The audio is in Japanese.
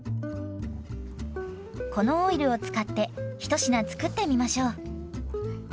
このオイルを使って一品作ってみましょう。